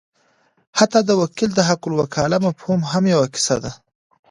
حتی د وکیل د حقالوکاله مفهوم هم یوه کیسه ده.